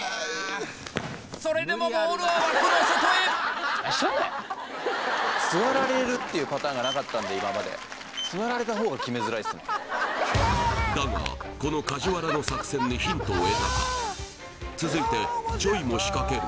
それでもボールは枠の外へだがこの梶原の作戦にヒントを得たかいくぞ！